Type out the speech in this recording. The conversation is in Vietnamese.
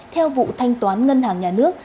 theo vụ thanh toán ngân hàng nhà nước